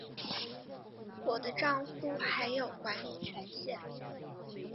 我的帐户还有管理权限